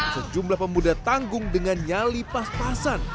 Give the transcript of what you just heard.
sejumlah pemuda tanggung dengan nyali pas pasan